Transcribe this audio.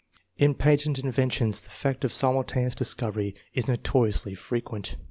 In patent inventions the fact of simultaneous discovejy is notoriously frequent.